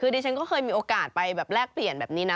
คือดิฉันก็เคยมีโอกาสไปแบบแลกเปลี่ยนแบบนี้นะ